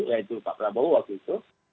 yaitu pak prabowo waktu itu